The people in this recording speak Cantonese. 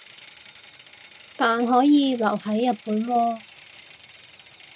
但可以留係日本喎